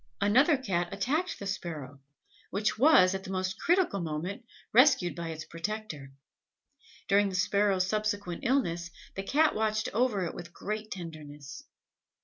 Another Cat attacked the Sparrow, which was at the most critical moment rescued by its protector. During the Sparrows subsequent illness, the Cat watched over it with great tenderness.